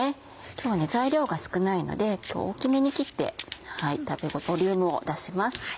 今日は材料が少ないので大きめに切ってボリュームを出します。